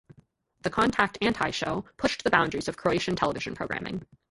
The contact anti-show pushed the boundaries of Croatian television programming.